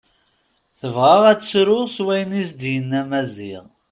Tebɣa ad tettru s wayen i as-d-yenna Maziɣ.